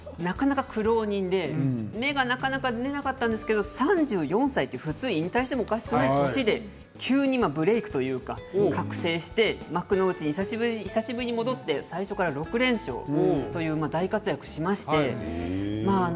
なかなか苦労人で芽がなかなか出なかったんですけど、３４歳で引退してもおかしくない年でブレークというか覚醒して幕内に久しぶりに戻って最初から６連勝という大活躍をしました。